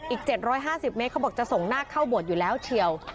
อีก๗๕๐เมตรเขาบอกจะส่งนาคเข้าโบสถ์อยู่แล้วเชียว